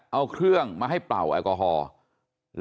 เอาเครื่องมาให้เป่าแอลกอฮอล์